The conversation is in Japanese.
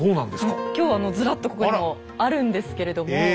今日あのずらっとここにもあるんですけれども。